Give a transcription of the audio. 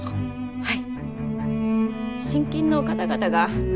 はい。